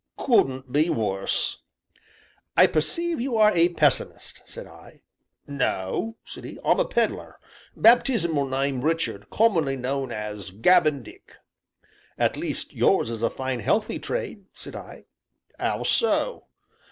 "Couldn't be worse!" "I perceive you are a pessimist," said I. "No," said he, "I'm a pedler baptism'l name Richard, commonly known as 'Gabbin' Dick.'" "At least yours is a fine healthy trade," said I. "'Ow so?"